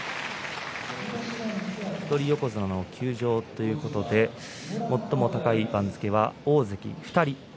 一人横綱の休場ということで最も高い番付は大関２人。